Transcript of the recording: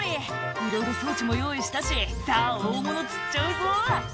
「いろいろ装置も用意したしさぁ大物釣っちゃうぞ」